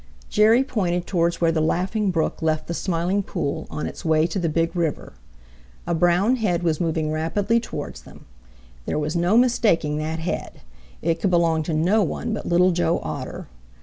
Jerry pointed towards where the Laughing Brook left the Smiling Pool on its way to the Big River. A brown head was moving rapidly towards them. There was no mistaking that head. It could belong to no one but Little Joe Otter.